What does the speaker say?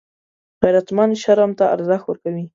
غیرتمند شرم ته ارزښت ورکوي